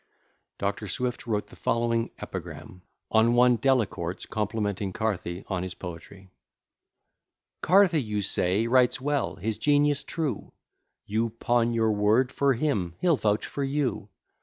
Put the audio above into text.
DR. SWIFT WROTE THE FOLLOWING EPIGRAM On one Delacourt's complimenting Carthy on his Poetry Carthy, you say, writes well his genius true, You pawn your word for him he'll vouch for you.